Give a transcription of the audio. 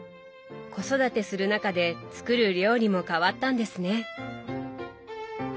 子育てする中で作る料理も変わったんですね。